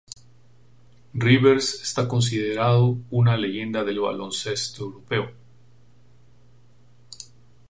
Rivers está considerado una leyenda del baloncesto europeo.